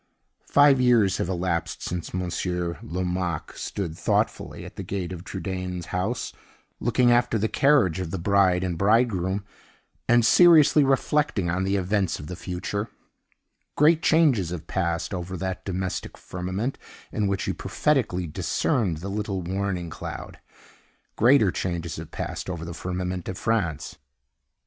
Five years have elapsed since Monsieur Lomaque stood thoughtfully at the gate of Trudaine's house, looking after the carriage of the bride and bridegroom, and seriously reflecting on the events of the future. Great changes have passed over that domestic firmament in which he prophetically discerned the little warning cloud. Greater changes have passed over the firmament of France.